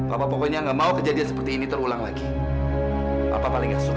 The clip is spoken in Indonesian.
apa pokoknya enggak mau kejadian seperti ini terulang lagi apa paling suka